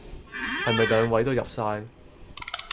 係咪兩位都入晒？